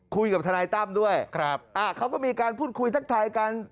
คุยกับทนายตั้มด้วยครับอ่าเขาก็มีการพูดคุยทักทายกัน